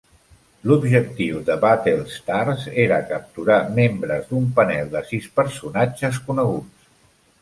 L'objectiu de "Battlestars" era "capturar" membres d'un panel de sis personatges coneguts.